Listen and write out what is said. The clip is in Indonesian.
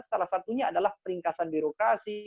salah satunya adalah peringkasan birokrasi